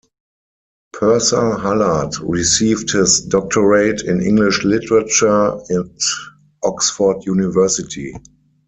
Purser-Hallard received his doctorate in English literature at Oxford University.